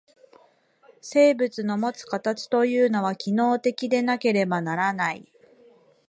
生物のもつ形というのは、機能的でなければならない。